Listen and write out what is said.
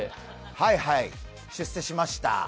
はいはい、出世しました。